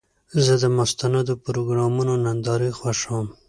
زه د مستندو پروګرامونو نندارې خوښوم.